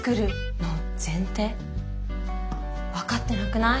分かってなくない？